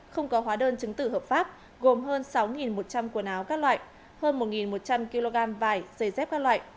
không có hóa đơn chứng tử hợp pháp gồm hơn sáu một trăm linh quần áo các loại hơn một một trăm linh kg vải giày dép các loại